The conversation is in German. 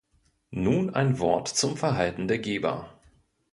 Nun ein Wort zum Verhalten der Geber.